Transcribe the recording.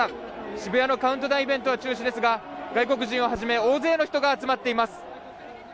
渋谷のカウントダウンイベントは中止ですが外国人をはじめ大勢の人が集まっています。